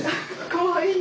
かわいい。